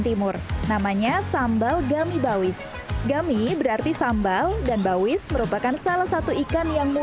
timur namanya sambal gami bawis gami berarti sambal dan bawis merupakan salah satu ikan yang